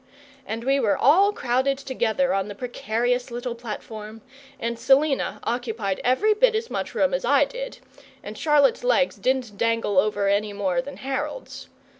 And we were all crowded together on the precarious little platform, and Selina occupied every bit as much room as I did, and Charlotte's legs didn't dangle over any more than Harold's.